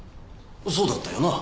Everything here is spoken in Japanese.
そうだったよなあ？